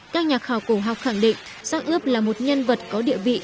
các nhà khảo cổ học khẳng định sát ướp là một nhân vật có địa vị